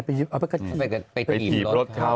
ไปถีบรถเขา